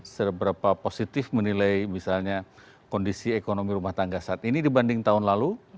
seberapa positif menilai misalnya kondisi ekonomi rumah tangga saat ini dibanding tahun lalu